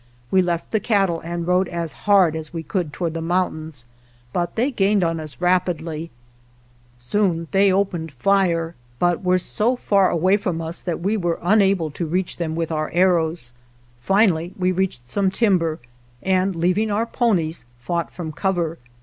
We left the cattle and rode as hard as we could toward the mountains, but they gained on us rapidly. Soon they opened 81 GERONIMO fire, but were so far away from us that we were unable to reach them with our arrows ; finally we reached some timber, and, leaving our ponies, fought from cover.